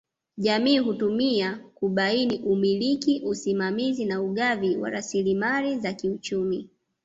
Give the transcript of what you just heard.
Jamii hutumia kubaini umiliki usimamizi na ugavi wa rasilimali za kiuchumi